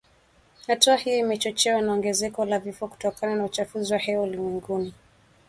Hatua hiyo imechochewa na ongezeko la vifo kutokana na uchafuzi wa hewa ulimwenguni.